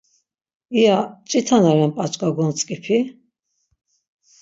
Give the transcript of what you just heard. İya mç̌ita na ren p̌aç̌ǩa gontzǩipi?